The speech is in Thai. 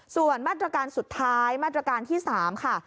ส่วนมาตรการสุดท้ายมาตรการที่๓ค่ะ